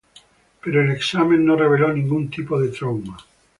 Pero el examen no reveló ningún tipo de trauma.